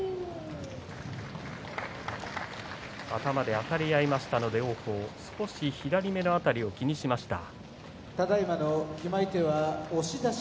頭であたり合いましたので王鵬、少し左目の辺りを気にしました。